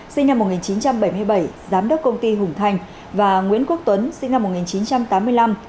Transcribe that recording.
sinh năm một nghìn chín trăm bảy mươi bảy giám đốc công ty hùng thành và nguyễn quốc tuấn sinh năm một nghìn chín trăm tám mươi năm